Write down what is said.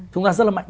chúng ta rất là mạnh